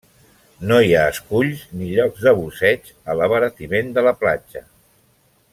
No hi ha esculls ni llocs de busseig a l'abaratiment de la platja.